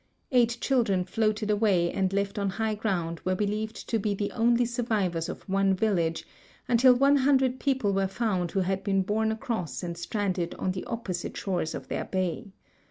Eight children floated away and left on high gi'ound were believed to be the only survivors of one village, until one hundred people were found who had been borne across and stranded on the opposite shores of their bay.